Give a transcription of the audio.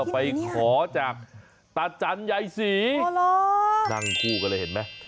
ไปขอจากตาจันทร์ใหญ่ศรีนั่งคู่กันเลยเห็นไหมโอ้โฮนี่แหละ